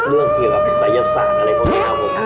เรื่องเกี่ยวกับศัยศาสตร์อะไรพวกนี้ครับผม